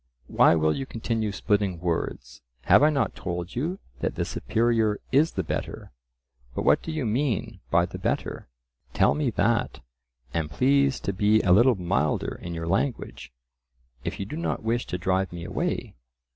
"Why will you continue splitting words? Have I not told you that the superior is the better?" But what do you mean by the better? Tell me that, and please to be a little milder in your language, if you do not wish to drive me away.